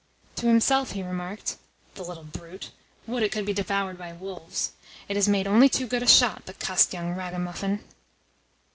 To himself he remarked: "The little brute! Would it could be devoured by wolves. It has made only too good a shot, the cussed young ragamuffin!"